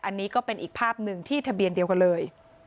อันนี้ก็เป็นอีกภาพหนึ่งที่ทะเบียนเดียวกันเลย